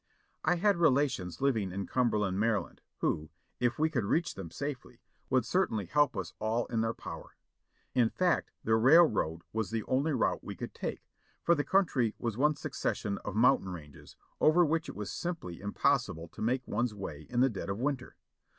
I had relations living in Cumberland, Maryland, who, if we could reach them safely, would certainly help us all in their power. In fact the railroad was the only route we could take, for the country was one suc cession of mountain ranges over which it was simply impossible to make one's way in the dead of winter.